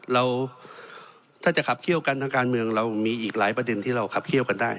เราถ้าจะขับเคี่ยวกันทางการเมืองเรามีอีกหลายประเด็นที่เราขับเคี่ยวกันได้